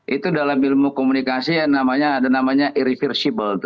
itu dalam ilmu komunikasi yang namanya irreversible